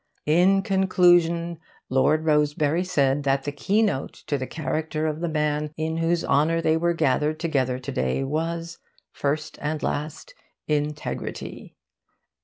In conclusion, Lord Rosebery said that the keynote to the character of the man in whose honour they were gathered together to day was, first and last, integrity.